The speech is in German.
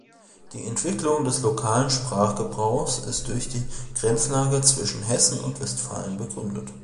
Die Entwicklung des lokalen Sprachgebrauchs ist durch die Grenzlage zwischen Hessen und Westfalen begründet.